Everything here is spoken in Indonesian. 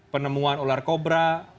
penemuan ular kobra